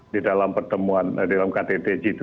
di dalam pertemuan di dalam ktt g dua puluh